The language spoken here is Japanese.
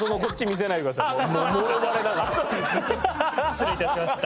失礼致しました。